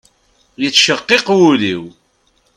Yettceqqiq wul-iw.